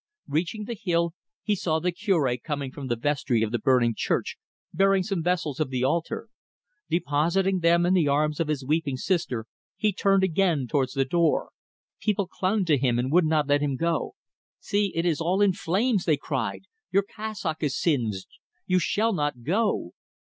Reaching the hill, he saw the Cure coming from the vestry of the burning church, bearing some vessels of the altar. Depositing them in the arms of his weeping sister, he turned again towards the door. People clung to him, and would not let him go. "See, it is all inflames," they cried. "Your cassock is singed. You shall not go."